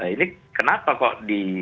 ini kenapa kok di